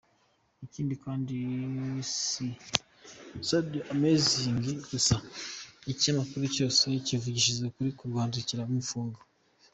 Ikindi kandi si radio Amazing gusa ikinyamakuru cyose kivugisha ukuri mu Rwanda kirafungwa.